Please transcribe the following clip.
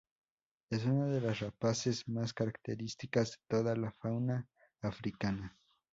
Es una de las rapaces más características de toda la fauna africana.